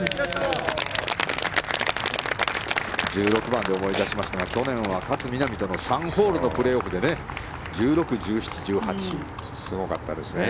１６番で思い出しましたが去年は勝みなみとの３ホールのプレーオフですごかったですね。